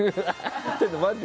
ちょっと待って。